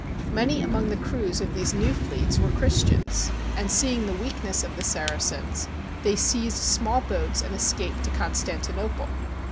Many among the crews of these new fleets were Christians, and seeing the weakness of the Saracens, they seized small boats and escaped to Constanti nople.